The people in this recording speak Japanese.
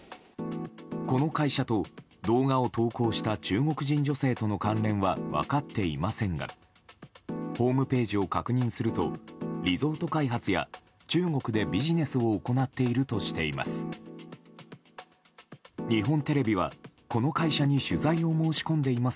この会社と、動画を投稿した中国人女性との関連は分かっていませんがホームページを確認するとリゾート開発や中国でビジネスを行っているとしています。